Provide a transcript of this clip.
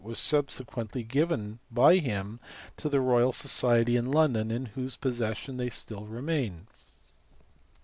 were sub sequently given by him to the Royal Society of London in whose possession they still remain.